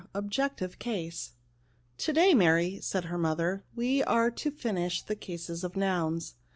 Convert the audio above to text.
— Objective Case. " To day, Mary," said her mother, '* we are to finish the cases of nouns."